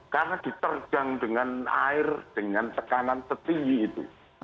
karena diterjang dengan air dengan tekanan setinggi itu